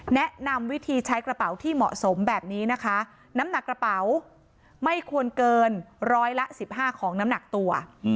แนะนำวิธีใช้กระเป๋าที่เหมาะสมแบบนี้นะคะน้ำหนักกระเป๋าไม่ควรเกินร้อยละ๑๕ของน้ำหนักตัว